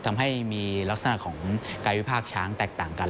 ทำให้มีลักษณะของกายวิพากษ์ช้างแตกต่างกัน